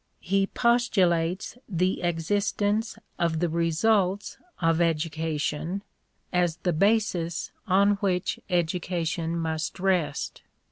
He postulates the existence of EMERSON'S WRITINGS i6i the results of education as the basis on which education must rest.